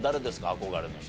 憧れの人。